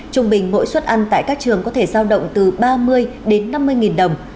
trung bình mỗi suất ăn tại các trường có thể giao động từ ba mươi đến năm mươi nghìn đồng